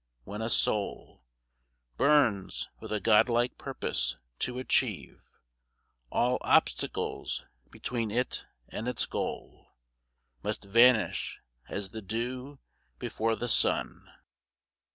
When a soul Burns with a god like purpose to achieve, All obstacles between it and its goal Must vanish as the dew before the sun.